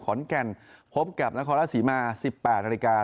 ขอนแกนพบกับลักษณะศรีมารีสิบแปดนาทีการ